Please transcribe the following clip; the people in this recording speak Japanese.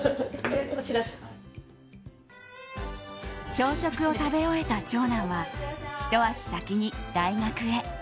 朝食を食べ終えた長男はひと足先に大学へ。